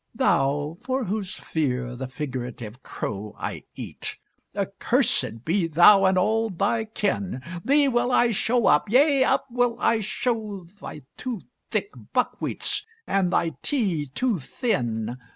Thou, for whose fear the figurative crow I eat, accursed be thou and all thy kin! Thee will I show up yea, up will I show Thy too thick buckwheats, and thy tea too thin.